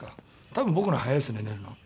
多分僕の方が早いですね寝るの。